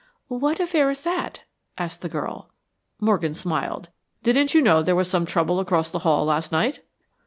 "What affair is that?" asked the girl. Morgan smiled. "Didn't you know there was some trouble across the hall last night?"